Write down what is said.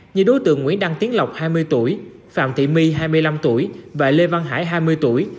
như đối tượng nguyễn đăng tiến lộc hai mươi tuổi phạm thị my hai mươi năm tuổi và lê văn hải hai mươi tuổi